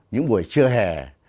những buổi trưa hè